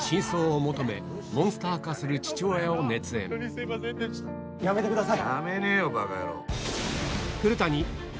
事故でやめてください。